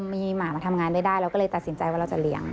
มีหมามาทำงานได้เราก็เลยตัดสินใจว่าเราจะเลี้ยง